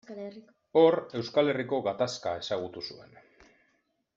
Hor Euskal Herriko gatazka ezagutu zuen.